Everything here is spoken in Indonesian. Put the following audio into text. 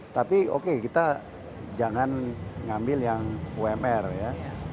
tapi oke kita jangan ngambil yang umr ya